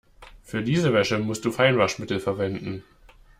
Für diese Wäsche musst du Feinwaschmittel verwenden.